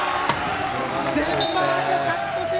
デンマーク、勝ち越し！